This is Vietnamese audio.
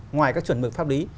ngoài các chuẩn mực pháp lý